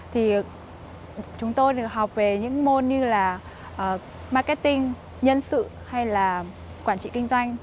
thì chúng tôi được học về những môn như là marketing nhân sự hay là quản trị kinh doanh